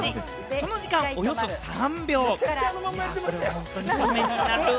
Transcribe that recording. その時間、およそ３秒。